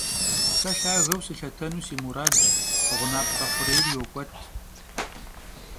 Se lhageu sılhetenu si muradş — ğunapkhe xhurêyr yok'uet.